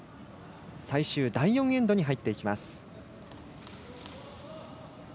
最終第４エンドに入っていきます。